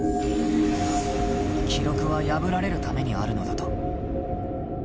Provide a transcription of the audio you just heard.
記録は破られるためにあるのだと。